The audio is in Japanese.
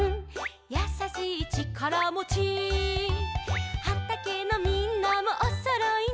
「やさしいちからもち」「はたけのみんなもおそろいね」